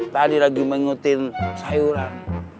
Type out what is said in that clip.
tadi lagi mengikutin sayuran